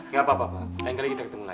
gak apa apa pak lain kali kita ketemu lagi